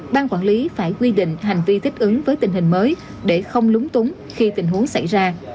ban quản lý phải quy định hành vi thích ứng với tình hình mới để không lúng túng khi tình huống xảy ra